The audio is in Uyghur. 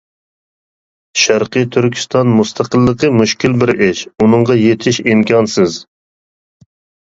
شەرقىي تۈركىستان مۇستەقىللىقى مۈشكۈل بىر ئىش، ئۇنىڭغا يېتىش ئىمكانسىز.